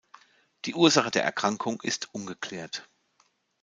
Die Ursache der Erkrankung ist ungeklärt.